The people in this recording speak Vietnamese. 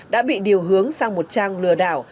đã bị điều hướng sang một trang lừa đảo